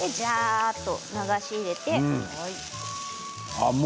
流し入れて。